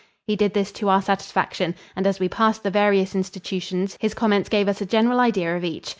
He did this to our satisfaction, and as we passed the various institutions his comments gave us a general idea of each.